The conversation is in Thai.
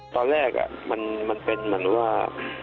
ตอนแรกมันเป็นเหมือนว่า